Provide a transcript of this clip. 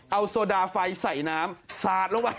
เอาโซดาไฟใส่น้ำสาดลงไป